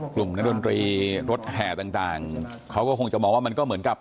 กลุ่มนักดนตรีรถแห่ต่างเขาก็คงจะมองว่ามันก็เหมือนกับ